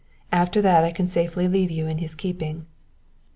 After that I can safely leave you in his keeping.